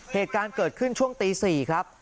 เหตุการณ์เกิดขึ้นช่วงตี๔ครับ